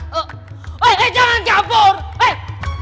kok lagi kendahian predicemen tersebut